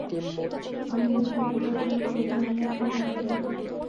আমাদের তোকে প্রয়োজন, যদি আমরা এ লড়াইয়ে যাই।